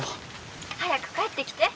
「早く帰ってきて。